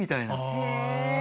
へえ。